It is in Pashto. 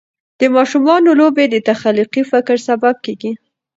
د ماشومانو لوبې د تخلیقي فکر سبب کېږي.